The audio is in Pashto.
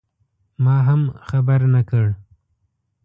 ما هم خبر نه کړ.